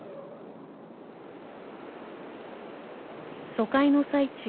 疎開の最中